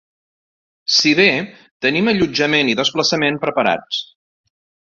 Si ve tenim allotjament i desplaçament preparats.